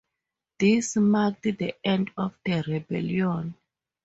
This marked the end of the rebellion.